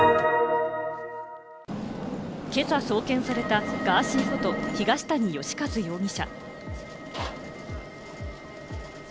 今朝送検されたガーシーこと東谷義和容疑者。